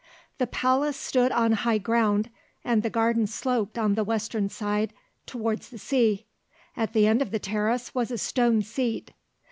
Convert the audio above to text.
The palace stood on high ground, and the garden sloped on the western side towards the sea. At the end of the terrace was a stone seat.